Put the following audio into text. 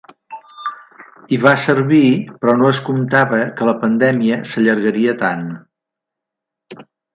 I va servir, però no es comptava que la pandèmia s’allargaria tant.